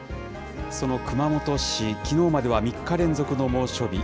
その熊本市、きのうまでは３日連続の猛暑日。